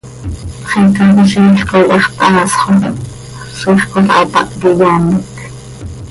Xicaquiziil coi hax thaasx oo, ziix cola hapáh quih iyoonec.